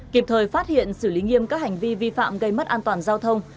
kịp thời phát hiện xử lý nghiêm các hành vi vi phạm gây mất an toàn giao thông